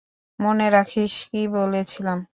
মনে রাখিস কী বলেছিলাম!